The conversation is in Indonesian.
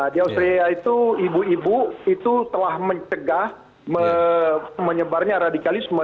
di austria itu ibu ibu itu telah mencegah menyebarnya radikalisme